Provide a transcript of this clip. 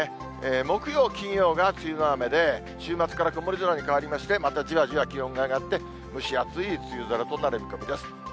木曜、金曜が梅雨の雨で、週末から曇り空に変わりまして、またじわじわ気温が上がって、蒸し暑い梅雨空となる見込みです。